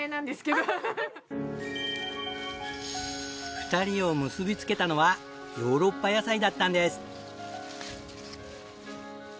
２人を結びつけたのはヨーロッパ野菜だったんです。